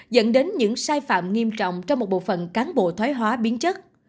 dẫn đến những sai phạm nghiêm trọng trong một bộ phận cán bộ thoái hóa biến chất